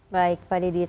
baik pak dedit